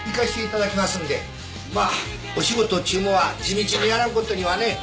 まあお仕事っちゅうのは地道にやらんことにはね。